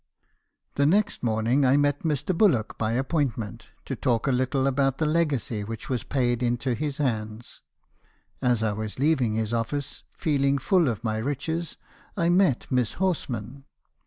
"The next morning I met Mr. Bullock by appointment, to talk a little about the legacy which was paid into his hands. As I was leaving his office, feeling full of my riches, I met Miss Horsman.